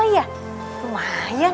beauty salon harga pelajar